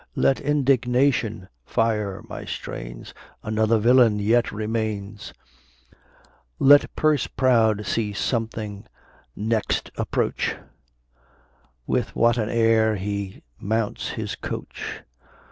Let indignation fire my strains, Another villain yet remains Let purse proud C n next approach, With what an air he mounts his coach!